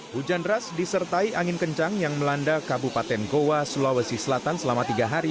hujan deras disertai angin kencang yang melanda kabupaten goa sulawesi selatan selama tiga hari